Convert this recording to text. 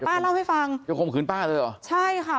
เล่าให้ฟังจะข่มขืนป้าเลยเหรอใช่ค่ะ